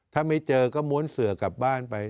ถ้าไม่เจอก็ม้วนเสือกลับบ้านไป